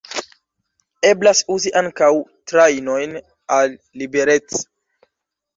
Eblas uzi ankaŭ trajnojn al Liberec.